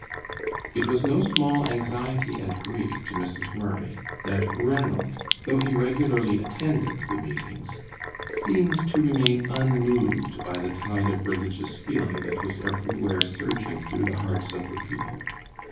It was no small anxiety and grief to Mrs. Murray that Ranald, though he regularly attended the meetings, seemed to remain unmoved by the tide of religious feeling that was everywhere surging through the hearts of the people.